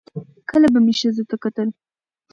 کله به مې ښځو ته کتل